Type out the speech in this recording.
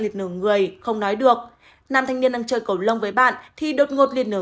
nghịch nửa người không nói được nam thanh niên đang chơi cầu lông với bạn thì đột ngột liên nửa